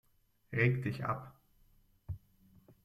Reg dich ab.